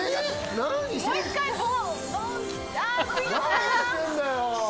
何してんだよ！